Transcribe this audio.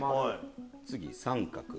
次三角。